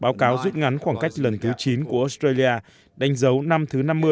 báo cáo dứt ngắn khoảng cách lần thứ một mươi của australia đánh dấu năm thứ năm mươi